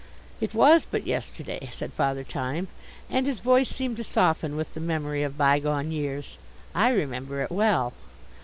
"It was but yesterday," said Father Time, and his voice seemed to soften with the memory of bygone years. "I remember it well."